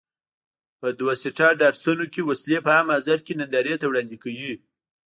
په دوه سیټه ډاټسنونو کې وسلې په عام محضر کې نندارې ته وړاندې کوي.